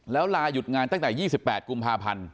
แล้วลายุดงานตั้งแต่๒๘กุมภาพันธ์